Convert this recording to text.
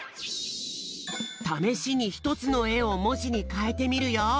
ためしにひとつのえをもじにかえてみるよ。